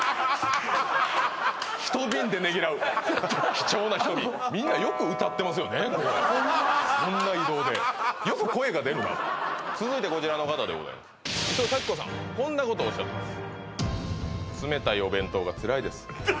貴重な１瓶これこんな移動でよく声が出るな続いてこちらの方でございます伊藤咲子さんこんなことおっしゃってます